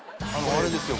あれですよ